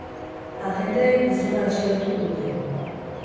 Agenteek gizona atxilotu dute.